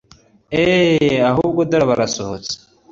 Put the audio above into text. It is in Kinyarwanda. eheee ahubwo dore barasohotse